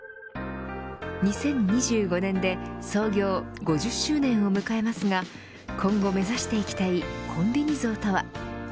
２０２５年で創業５０周年を迎えますが今後目指していきたいコンビニ像とは。